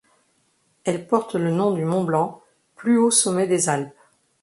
Elle porte le nom du mont Blanc, plus haut sommet des Alpes.